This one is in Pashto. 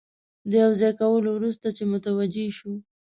د یو ځای کولو وروسته چې متوجه شو.